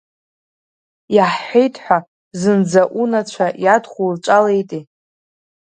Иаҳҳәеит ҳәа, зынҟа унацәа иадхуҵәалеите.